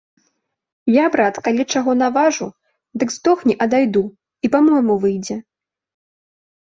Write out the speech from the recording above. Я, брат, калі чаго наважу, дык здохні, а дайду, і па-мойму выйдзе.